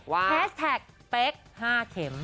แพสตาคเพค๕เข็ม